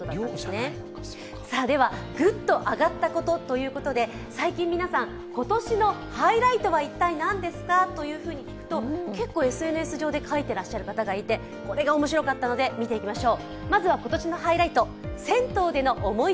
ぐっと上がったことということで最近皆さん、今年のハイライトは一体なんですかと聞くと結構、ＳＮＳ上で書いている方がいてこれが面白かったので見ていきましょう。